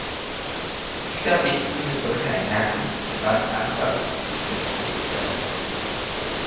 Dieser Richtlinie sollte ein "Herkunftslandansatz" zugrundegelegt werden.